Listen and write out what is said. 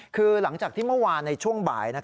คือหลังจากที่เมื่อวานในช่วงบ่าย